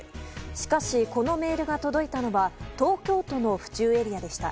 しかし、このメールが届いたのは東京都の府中エリアでした。